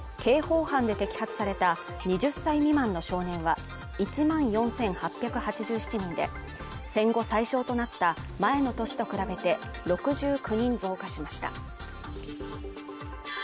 一方、刑法犯で摘発された２０歳未満の少年は１万４８８７人で戦後最少となった前の年と比べて、６９人増加しました。